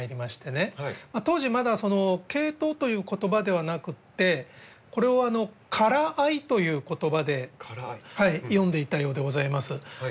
当時まだ「ケイトウ」という言葉ではなくてこれを「韓藍」という言葉で呼んでいたようでございます。